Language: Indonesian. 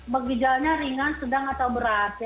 bagijalnya ringan sedang atau berat